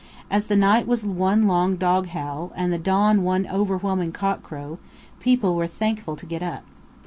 As the night was one long dog howl, and the dawn one overwhelming cockcrow, people were thankful to get up.